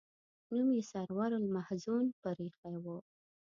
نوم یې سرور المحزون پر ایښی و.